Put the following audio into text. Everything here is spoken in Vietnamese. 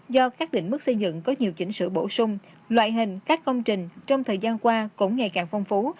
do các định mức xây dựng có nhiều chỉnh sửa bổ sung loại hình các công trình trong thời gian qua cũng ngày càng phong phú